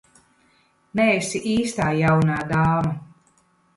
Neesi īstā jaunā dāma.